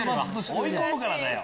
追い込むからだよ。